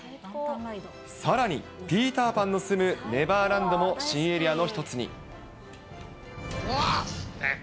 さらにピーター・パンの住むネバーランドも新エリアの一つに。